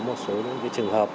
một số những trường hợp